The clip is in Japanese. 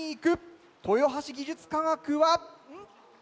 豊橋技術科学はん？